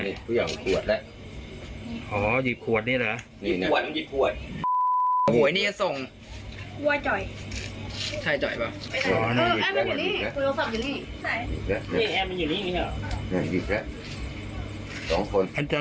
นี่ฮะเมื่อคืนนี้นะครับผมนี้บุกมาบ้านของรุ่นน้อง